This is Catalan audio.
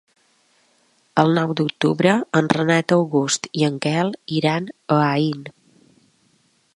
El nou d'octubre en Renat August i en Quel iran a Aín.